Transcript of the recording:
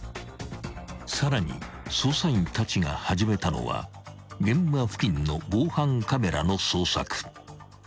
［さらに捜査員たちが始めたのは現場付近の防犯カメラの捜索］